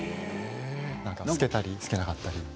透けたり、透けなかったり。